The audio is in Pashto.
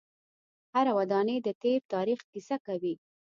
هره ودانۍ د تیر تاریخ کیسه کوي.